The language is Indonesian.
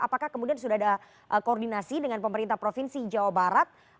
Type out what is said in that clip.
apakah kemudian sudah ada koordinasi dengan pemerintah provinsi jawa barat